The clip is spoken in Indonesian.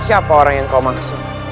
siapa orang yang kau maksud